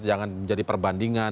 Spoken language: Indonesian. jangan menjadi perbandingan